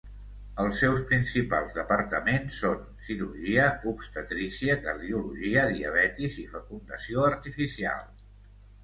Els seus principals departaments són: cirurgia, obstetrícia, cardiologia, diabetis i fecundació artificial.